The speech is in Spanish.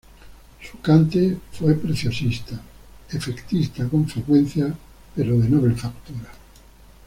Su cante fue preciosista, efectista con frecuencia, pero de noble factura.